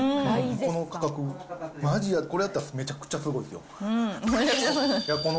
この価格、まじ、これやったらめちゃくちゃすごいですよ。